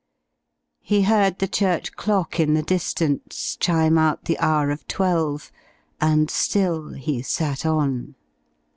He heard the church clock in the distance chime out the hour of twelve; and still he sat on.